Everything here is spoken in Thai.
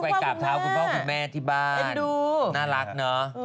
กราบเท้าคุณพ่อคุณแม่ที่บ้านน่ารักเนอะ